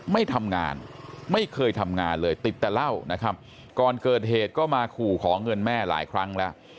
ไม่ทำงานไม่เคยทำงานเลยติดแต่เหล้านะครับก่อนเกิดเหตุก็มาขู่ขอเงินแม่หลายครั้งแล้ว